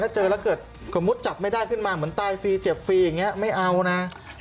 ถ้าเจอแล้วเกิดสมมุติจับไม่ได้ขึ้นมาเหมือนตายฟรีเจ็บฟรีอย่างนี้ไม่เอานะ